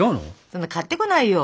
そんな買ってこないよ。